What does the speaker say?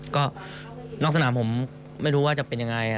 ก็นอกสนามผมไม่รู้ว่าจะเป็นยังไง